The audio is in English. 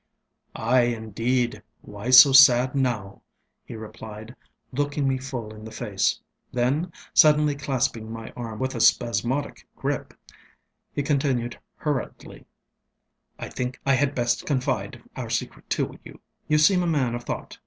ŌĆ£Ay, indeed, why so sad now? ŌĆØ he replied, looking me full in the face; then, suddenly clasping my arm with a spasmodic grip, he continued hurriedly, ŌĆ£I think I had best confide our secret to you. You seem a man of thought.